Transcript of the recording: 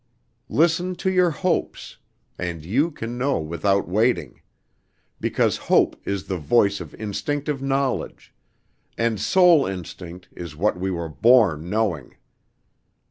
Listen to your hopes, and you can know without waiting; because hope is the voice of instinctive knowledge, and soul instinct is what we were born knowing.